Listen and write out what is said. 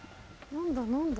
何だ？